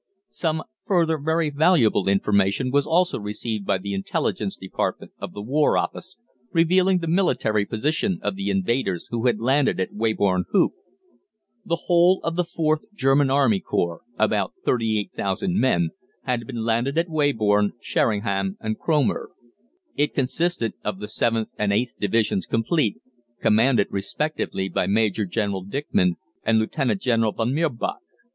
Some further very valuable information was also received by the Intelligence Department of the War Office, revealing the military position of the invaders who had landed at Weybourne Hoop. The whole of the IVth German Army Corps, about 38,000 men, had been landed at Weybourne, Sheringham, and Cromer. It consisted of the 7th and 8th Divisions complete, commanded respectively by Major General Dickmann and Lieutenant General von Mirbach.